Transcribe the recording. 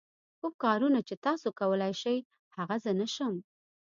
کوم کارونه چې تاسو کولای شئ هغه زه نه شم.